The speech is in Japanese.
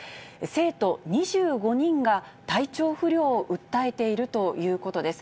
生徒２５人が体調不良を訴えているということです。